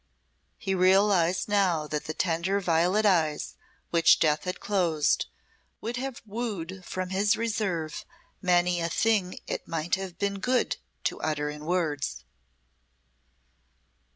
He realised now that the tender violet eyes which death had closed would have wooed from his reserve many a thing it might have been good to utter in words.